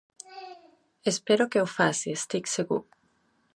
Espero que ho faci, estic segur.